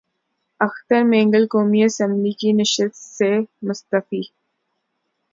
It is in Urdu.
اختر مینگل قومی اسمبلی کی نشست سے مستعفی